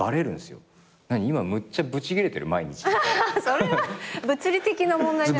それは物理的な問題じゃない？